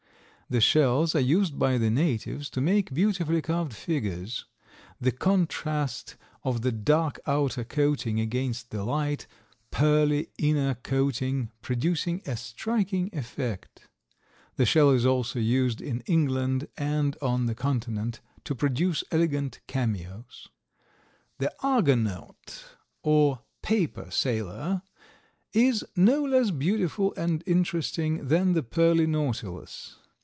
The shells are used by the natives to make beautifully carved figures, the contrast of the dark outer coating against the light, pearly, inner coating producing a striking effect. The shell is also used in England and on the Continent to produce elegant cameos. The "Argonaut," or "Paper Sailor," is no less beautiful and interesting than the Pearly Nautilus.